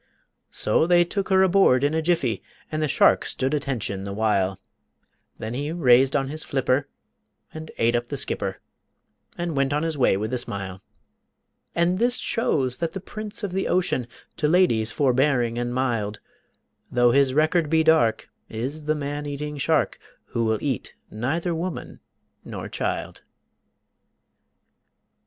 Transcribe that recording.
So they took her aboard in a jiffy, And the shark stood attention the while, Then he raised on his flipper and ate up the skipper And went on his way with a smile. And this shows that the prince of the ocean, To ladies forbearing and mild, Though his record be dark, is the man eating shark Who will eat neither woman nor child.